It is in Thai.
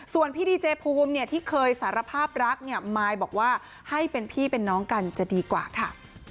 ส่วนพี่ดีเจภูมิเนี่ยที่เคยสารภาพรักเนี่ยมายบอกว่าให้เป็นพี่เป็นน้องกันจะดีกว่าค่ะ